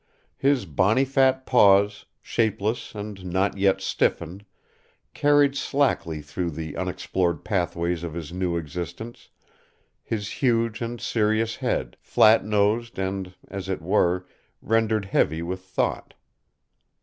His bonny fat paws, shapeless and not yet stiffened, carried slackly through the unexplored pathways of his new existence his huge and serious head, flat nosed and, as it were, rendered heavy with thought.